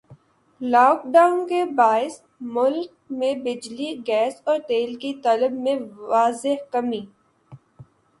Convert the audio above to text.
lock Dawn کے باعث ملک میں بجلی گیس اور تیل کی طلب میں واضح کمی